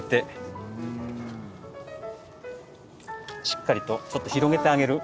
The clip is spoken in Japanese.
しっかりとちょっと広げてあげる。